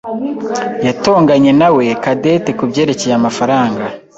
yatonganye nawe Cadette kubyerekeye amafaranga.